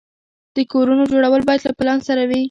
د کورونو جوړول باید له پلان سره وي.